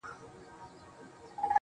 چې لنډ او غمجن یې لیکلي وو